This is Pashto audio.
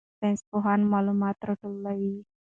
ساینسپوهان معلومات راټولوي.